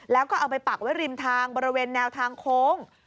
แล้วก็เอาไปปักไว้ริมทางบริเวณแนวทางโค้ง